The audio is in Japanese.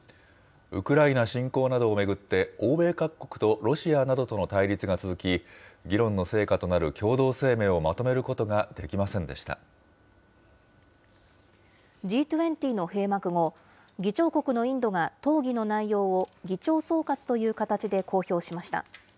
ウクライナ侵攻などを巡って、欧米各国とロシアなどとの対立が続き、議論の成果となる共同声明をまとめることができませんでしＧ２０の閉幕後、議長国のインドが、討議の内容を議長総括という形で公表しました。